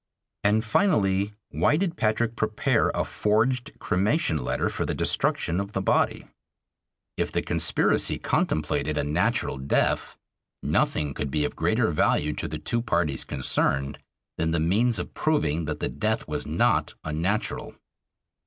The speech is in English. And finally, why did Patrick prepare a forged cremation letter for the destruction of the body? If the conspiracy contemplated a natural death, nothing could be of greater value to the two parties concerned than the means of proving that the death was not unnatural.